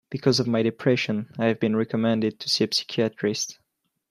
Because of my depression, I have been recommended to see a psychiatrist.